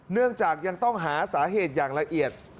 เนื่องจากยังต้องหาสาเหตุอย่างละเอียด